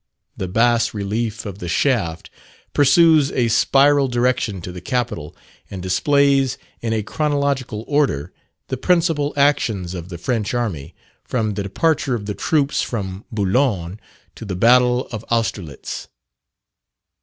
The bas relief of the shaft pursues a spiral direction to the capitol, and displays, in a chronological order, the principal actions of the French army, from the departure of the troops from Boulogne to the battle of Austerlitz.